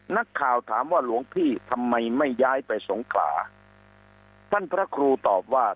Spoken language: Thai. นักข่าวถามว่าหลวงพี่ทำไมไม่ย้ายไปสงขลาท่านพระครูตอบว่า